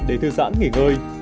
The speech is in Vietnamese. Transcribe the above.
để thư giãn nghỉ ngơi